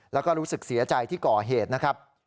แล้วก็รู้สึกเสียใจที่ก่อเหตุนะครับ